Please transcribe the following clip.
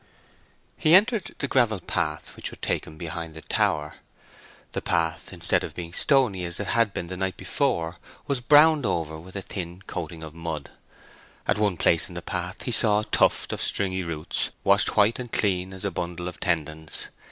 He entered the gravel path which would take him behind the tower. The path, instead of being stony as it had been the night before, was browned over with a thin coating of mud. At one place in the path he saw a tuft of stringy roots washed white and clean as a bundle of tendons.